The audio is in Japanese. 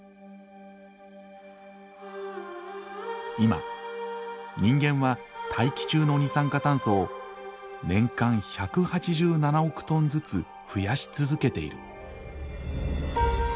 今人間は大気中の二酸化炭素を年間１８７億トンずつ増やし続けている。